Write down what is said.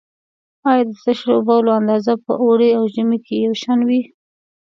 آیا د تشو بولو اندازه په اوړي او ژمي کې یو شان وي؟